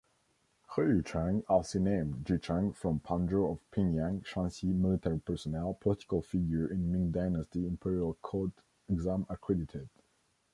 He Yucheng, alsi named Zhicheng from Panzhou of Pingyang, Shanxi, military personnel, political figure in Ming Dynasty, Imperial Court exam accredited.